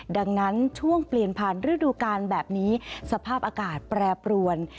ดังนั้นช่วงเปลี่ยนผ่านฤดูการแบบนี้สภาพอากาศแปรปรวน